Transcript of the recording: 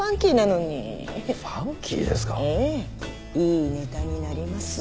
いいネタになります。